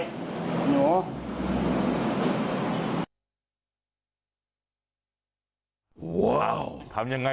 จิงจกมันเข้าไปยังไง